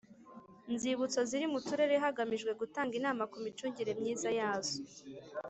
Nzibutso ziri mu turere hagamijwe gutanga inama ku micungire myiza yazo